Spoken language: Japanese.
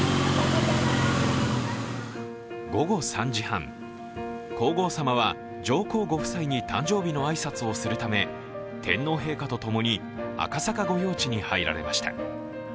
午後３時半、皇后さまは上皇ご夫妻に誕生日の挨拶をするため天皇陛下とともに赤坂御用地に入られました。